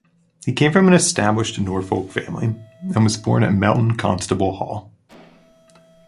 He came from an established Norfolk family, and was born at Melton Constable Hall.